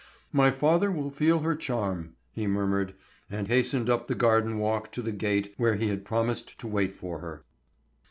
"My father will feel her charm," he murmured, and hastened up the garden walk to the gate where he had promised to wait for her.